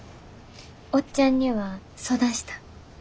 おっちゃんには相談したん？